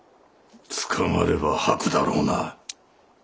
捕まれば吐くだろうな。